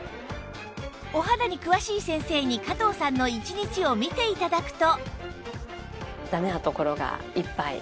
お肌に詳しい先生に加藤さんの一日を見て頂くと